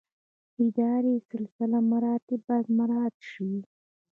اداري سلسله مراتب باید مراعات شي